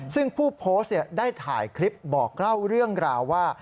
ซึ่งผู้โพสต์ได้ถ่ายคลิปบอกเล่าเรื่องราวว่า